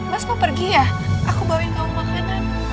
mas mau pergi ya aku bawain kamu makan